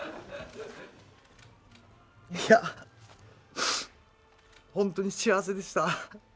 いや本当に幸せでした。